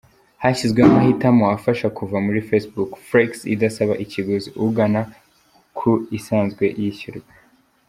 Hashyizweho amahitamo afasha kuva muri Facebook Flex idasaba ikiguzi, ugana ku isanzwe yishyurwa.